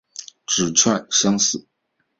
指券相似。